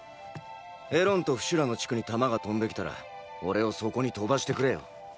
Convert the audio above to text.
エロンとフシュラの地区に弾が飛んできたら俺をそこに飛ばしてくれよ。